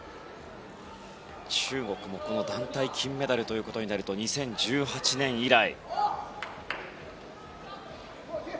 中国もこの団体で金メダルとなると２０１８年以来。